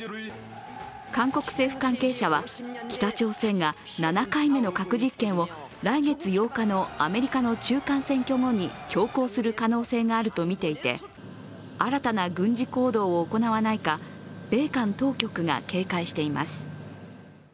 韓国政府関係者は北朝鮮が７回目の核実験を来月８日のアメリカの中間選挙後に強行する可能性があるとみていて、新たな軍事行動を行わないか米韓当局が警戒しています。